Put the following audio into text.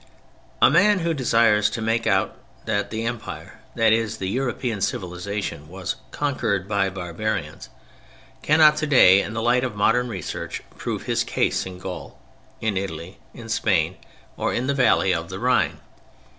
A man who desires to make out that the Empire—that is European civilization—was "conquered" by barbarians cannot today, in the light of modern research, prove his case in Gaul, in Italy, in Spain, or in the valley of the Rhine.